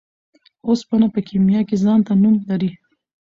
اوسپنه په کيميا کي ځانته نوم لري .